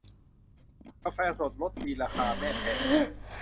กาแฟสดรสดีราคาแม่แพง